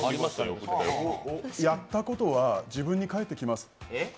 やったことは自分に返ってきます。